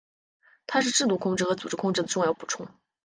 它是制度控制和组织控制的重要补充。